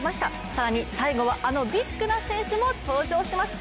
更に最後はあのビッグな選手も登場します。